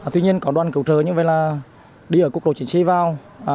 tuy nhiên có đoàn cứu trợ như vậy là đi ở cuộc đồ chiến xây vào